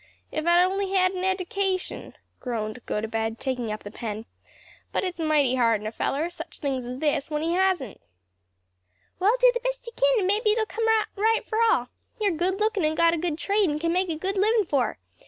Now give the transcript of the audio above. "If I'd only had an edication!" groaned Gotobed, taking up the pen; "but it's mighty hard on a feller such things as this is when he hasn't." "Well, do the best you kin, and mebbe it'll come out right for all. You're good lookin' and got a good trade and can make a good livin' for her.